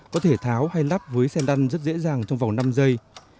có thể tháo hay lắp với xe lăn rất dễ dàng trong vòng năm giây